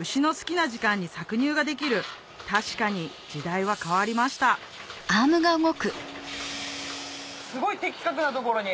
牛の好きな時間に搾乳ができる確かに時代は変わりましたすごい的確な所に。